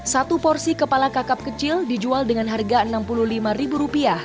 satu porsi kepala kakap kecil dijual dengan harga rp enam puluh lima